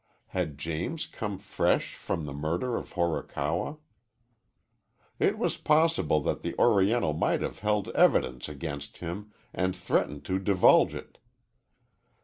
Had James come fresh from the murder of Horikawa? It was possible that the Oriental might have held evidence against him and threatened to divulge it.